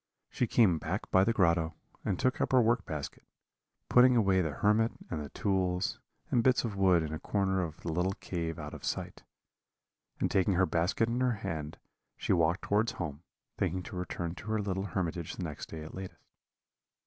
She came back by the grotto, and took up her work basket, putting away the hermit and the tools and bits of wood in a corner of the little cave out of sight; and taking her basket in her hand, she walked towards home, thinking to return to her little hermitage the next day at latest.